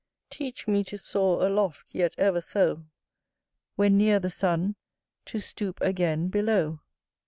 Teach me to soar aloft, yet ever so, When near the sun, to stoop again below.